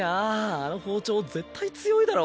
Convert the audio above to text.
あの包丁絶対強いだろ。